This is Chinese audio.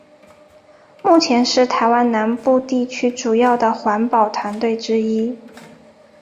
目前是台湾南部地区主要的环保团体之一。